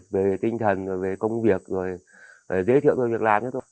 về tinh thần về công việc rồi giới thiệu về việc làm cho tôi